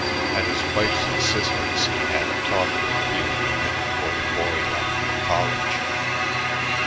At his wife's insistence he had a talk with Hugh the night before the boy left for college.